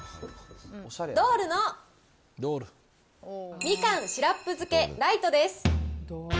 ドールのみかん・シラップ漬けライトです。